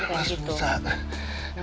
maksud aku bukan gitu